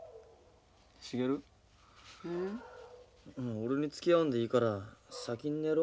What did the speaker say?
俺につきあわんでいいから先に寝ろ。